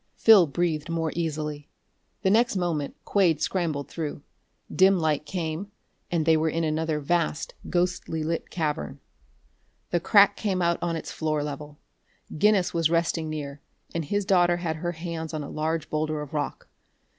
Phil breathed more easily. The next moment Quade scrambled through; dim light came; and they were in another vast, ghostly lit cavern. The crack came out on its floor level; Guinness was resting near, and his daughter had her hands on a large boulder of rock.